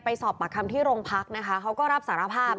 ไปกับสอบประคัมที่โรงพักษณ์นะคะเขาก็รับสารภาพ